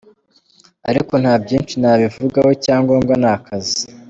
Ariko ntabyinshi nabivugaho icyangombwa ni akazi.